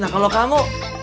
nah kalau kamu